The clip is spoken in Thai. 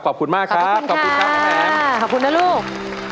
ขอบคุณมากครับขอบคุณครับอ๋อมแอมขอบคุณครับขอบคุณนะลูกขอบคุณครับขอบคุณครับขอบคุณนะลูก